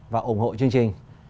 và ủng hộ chương trình